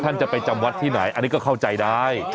จะไปจำวัดที่ไหนอันนี้ก็เข้าใจได้